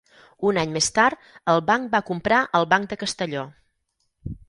Un any més tard, el banc va comprar el Banc de Castelló.